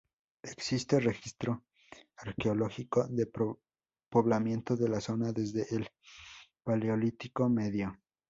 Existe registro arqueológico de poblamiento de la zona desde el Paleolítico medio.